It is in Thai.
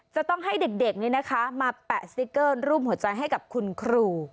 จะต้องให้เด็กมาแปะสติ๊กเกอร์รูปหัวใจให้กับคุณครู